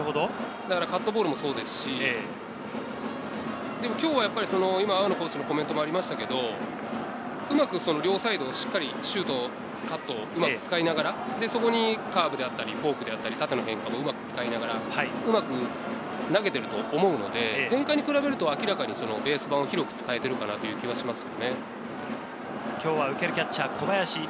カットボールもそうですし、今日は、阿波野コーチのコメントもありましたけど、うまく両サイドをしっかりシュート、カット、うまく使いながら、カーブであったりフォークであったり、縦の変化もうまく使いながら、うまく投げていると思うので、前回に比べると明らかにベース板を広く使えているかなという気はします。